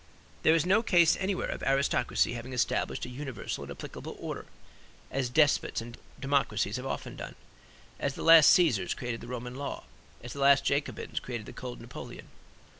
There is no case anywhere of aristocracy having established a universal and applicable order, as despots and democracies have often done; as the last Caesars created the Roman law, as the last Jacobins created the Code Napoleon.